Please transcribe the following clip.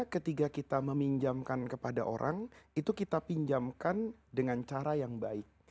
ketika kita meminjamkan kepada orang itu kita pinjamkan dengan cara yang baik